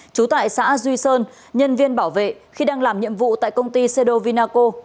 trú tại xã duy sơn nhân viên bảo vệ khi đang làm nhiệm vụ tại công ty sedovinaco